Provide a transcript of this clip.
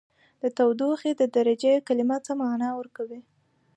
د تودوخې د درجې کلمه څه معنا ورکوي؟